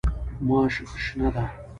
ماش شنه دي.